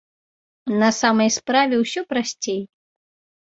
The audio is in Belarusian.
На самай справе ўсё прасцей.